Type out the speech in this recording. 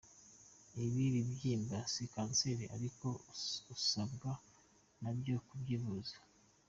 Ibi bibyimba si kanseri ariko usabwa nabyo kubyivuza.